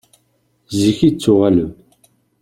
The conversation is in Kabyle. Zik i d-tuɣalem.